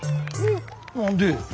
何で？